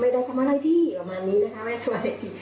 ไม่ได้ทำอะไรที่ประมาณนี้นะคะไม่ได้ทำอะไรที่